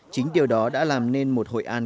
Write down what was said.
chính điều đó đã làm nên một hội an